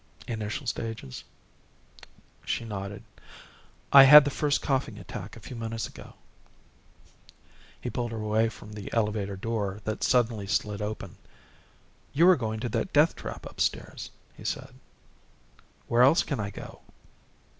"Initial stages?" She nodded. "I had the first coughing attack a few minutes ago." He pulled her away from the elevator door that suddenly slid open. "You were going to that death trap upstairs," he said. "Where else can I go?"